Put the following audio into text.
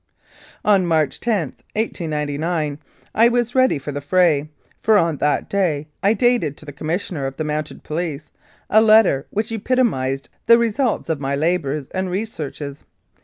On March 10, 1899, I was ready for the fray, for on that day I dated to the Commissioner of the Mounted Police a letter which epitomised the result of my labours and researches.